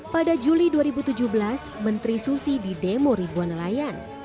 pada juli dua ribu tujuh belas menteri susi didemo ribuan nelayan